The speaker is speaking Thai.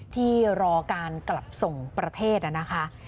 ที่รอการกลับส่งประเทศนะคะ